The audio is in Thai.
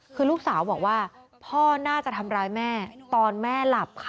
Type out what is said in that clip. คือลูกสาวบอกว่าพ่อน่าจะทำร้ายแม่ตอนแม่หลับค่ะ